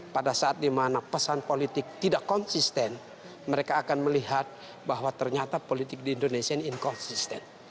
pada saat dimana pesan politik tidak konsisten mereka akan melihat bahwa ternyata politik di indonesia ini inkonsisten